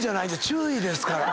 注意ですから。